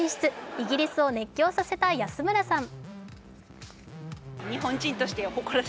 イギリスを熱狂させた安村さん。